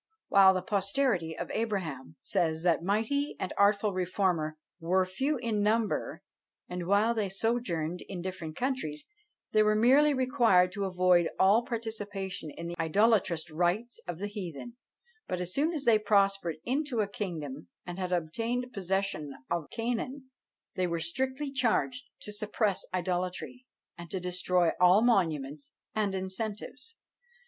"While the posterity of Abraham," says that mighty and artful reformer, "were few in number, and while they sojourned in different countries, they were merely required to avoid all participation in the idolatrous rites of the heathen; but as soon as they prospered into a kingdom, and had obtained possession of Canaan, they were strictly charged to suppress idolatry, and to destroy all the monuments and incentives.